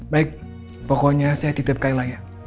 baik pokoknya saya tidur kayla ya